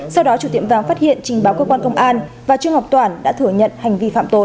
sau đó chủ tiệm vàng phát hiện trình báo cơ quan công an và trương ngọc toản đã thừa nhận hành vi phạm tội